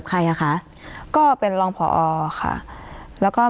ไม่ได้ข้อสรุปค่ะ